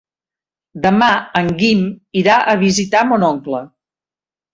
Demà en Guim irà a visitar mon oncle.